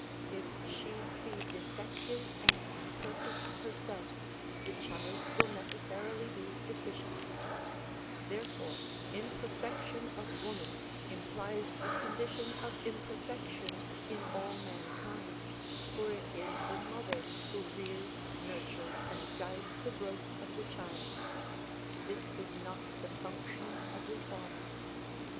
If she be defective and imperfect herself the child will necessarily be deficient ; therefore imperfection of woman implies a condition of imperfection in all mankind, for it is the mother who rears, nurtures and guides the growth of the child. This is not the function of the father.